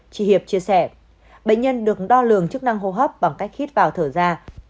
chị hiệp chia sẻ bệnh nhân được đo lường chức năng hô hấp bằng cách khít vào thở ra